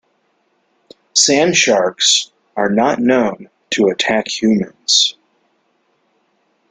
Sand sharks are not known to attack humans.